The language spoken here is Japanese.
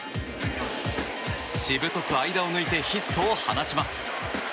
しぶとく間を抜いてヒットを放ちます。